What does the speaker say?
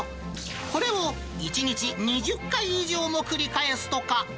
これを１日２０回以上も繰り返すとか。